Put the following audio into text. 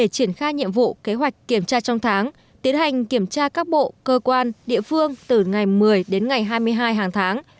tiến hành kiểm tra các bộ cơ quan địa phương từ ngày một mươi đến ngày hai mươi hai hàng tháng